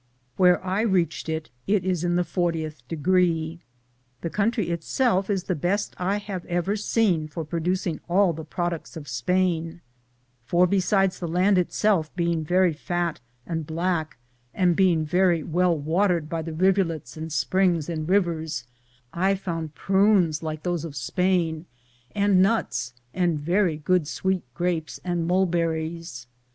Where I reached it, it is in the fortieth degree. The country itself is the best I have ever seen for producing all the products of Spain, for besides the land itself being very fat and black and being very well watered by the rivulets and springs and rivers, I found prunes like those of Spain [or I found everything they have in Spain] and nuts and very good sweet grapes and mulberries.